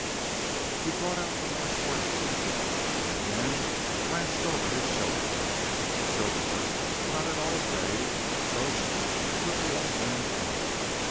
He brought out the last word with a gasp, and again glanced over his shoulder. Sylvia, not at all afraid, approached and took the old man's hand.